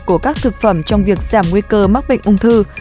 của các thực phẩm trong việc giảm nguy cơ mắc bệnh ung thư